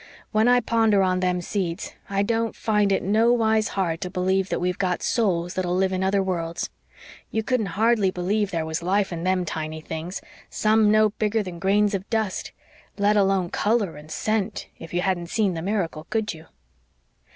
"When I ponder on them seeds I don't find it nowise hard to believe that we've got souls that'll live in other worlds. You couldn't hardly believe there was life in them tiny things, some no bigger than grains of dust, let alone color and scent, if you hadn't seen the miracle, could you?"